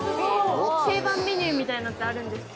定番メニューみたいのってあるんですか？